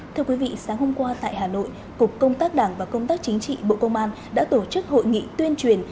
thưa quý vị sáng hôm qua tại hà nội cục công tác đảng và công tác chính trị bộ công an đã tổ chức hội nghị tuyên truyền